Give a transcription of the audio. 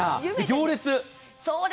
行列。